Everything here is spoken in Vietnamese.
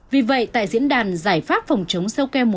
vì vậy tại diễn đàn giải pháp phòng chống sâu ke một